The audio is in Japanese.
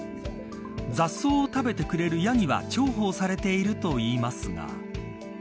雑草を食べてくれるヤギは重宝されているといいますが。